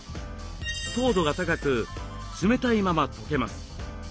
糖度が高く冷たいままとけます。